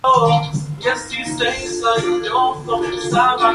Su música tiene un estilo particular, con marcadas influencias del pop.